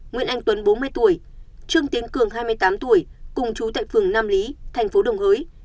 nguyễn anh tuấn bốn mươi tuổi trương tiến cường hai mươi tám tuổi cùng chú tại phường nam lý thành phố đồng hới